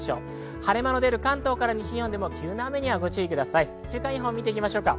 晴れ間の出る関東から西日本でも急な雨に注意してください。